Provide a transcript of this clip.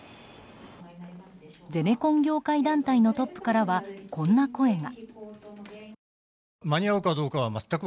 ゼネコン業界団体のトップからはこんな声が。